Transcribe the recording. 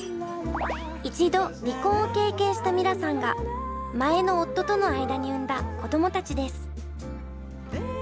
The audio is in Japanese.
一度離婚を経験したミラさんが前の夫との間に産んだ子供たちです。